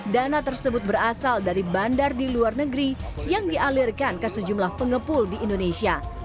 dana tersebut berasal dari bandar di luar negeri yang dialirkan ke sejumlah pengepul di indonesia